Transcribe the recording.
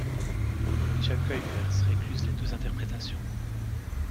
Michel Cuypers récuse les deux interprétations.